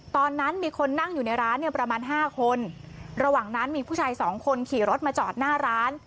ตอนนั้นมีคนนั่งอยู่ในร้านเนี่ยประมาณห้าคนระหว่างนั้นมีผู้ชายสองคนขี่รถมาจอดหน้าร้าน